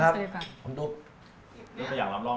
ชิคกี้พายว่าจะเริ่ม